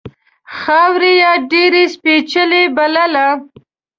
خاوره یې ډېره سپېڅلې بلله.